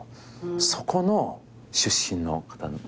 そこの出身の方。